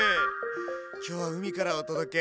今日は海からお届け。